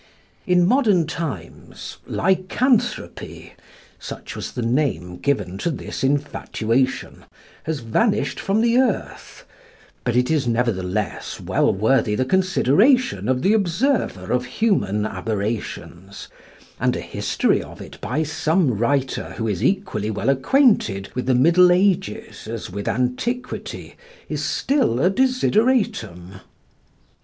In modern times Lycanthropy such was the name given to this infatuation has vanished from the earth, but it is nevertheless well worthy the consideration of the observer of human aberrations, and a history of it by some writer who is equally well acquainted with the middle ages as with antiquity is still a desideratum.